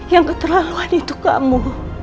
yang keterlaluan itu kamu